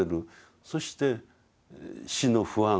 そして死の不安